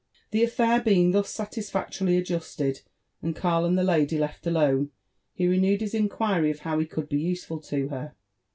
The affair being thus satisfactorily adjusted, and Karl and (he lady left alone, he renewed his inquiry of bow he could be useful to .her.